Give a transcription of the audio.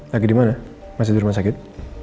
lagi dimana masih di rumah sakit